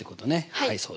はいそうです。